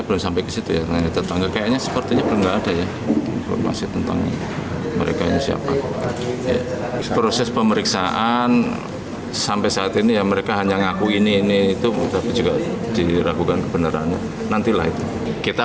tidak ada yang menakutkan keterangan ini benar atau tidak